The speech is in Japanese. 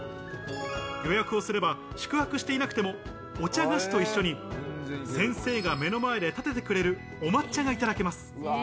予約をすれば宿泊していなくてもお茶菓子と一緒に先生が目の前でたててくれるお抹茶がいただけます。